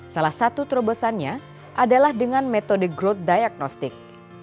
salah satu terobosannya adalah dengan metode growth diagnostic